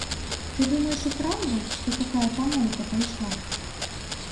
Ты думаеш і праўда, што такая памоўка пайшла?